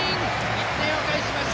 １点を返しました